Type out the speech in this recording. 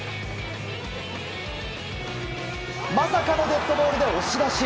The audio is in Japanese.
まさかのデッドボールで押し出し。